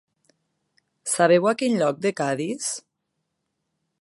Sabeu a quin lloc de Cadis?